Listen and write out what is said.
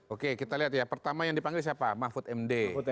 oke kita lihat ya pertama yang dipanggil siapa mahfud md